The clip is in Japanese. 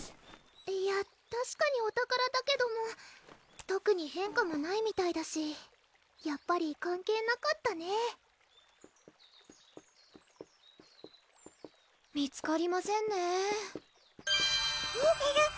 いやたしかにお宝だけども特に変化もないみたいだしやっぱり関係なかったね見つかりませんねえる！